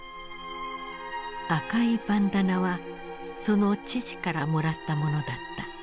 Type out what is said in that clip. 赤いバンダナはその父からもらったものだった。